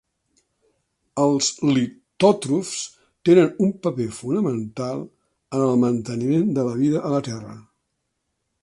Els litòtrofs tenen un paper fonamental en el manteniment de la vida a la Terra.